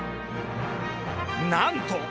なんと！